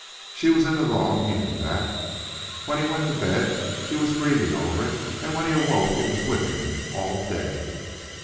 She was in the wrong, he knew that. When he went to bed he was grieving over it, and when he awoke it was with him all day.